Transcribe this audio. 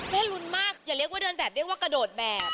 ลุ้นมากอย่าเรียกว่าเดินแบบเรียกว่ากระโดดแบบ